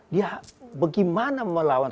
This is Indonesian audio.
dia bagaimana melawan sesuatu yang negatif